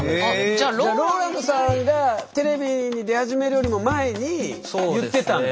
じゃあＲＯＬＡＮＤさんがテレビに出始めるよりも前に言ってたんだ？